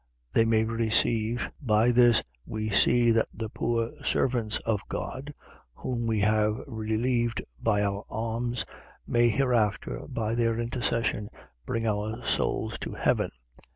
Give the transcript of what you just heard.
They may receive. . .By this we see, that the poor servants of God, whom we have relieved by our alms, may hereafter, by their intercession, bring our souls to heaven.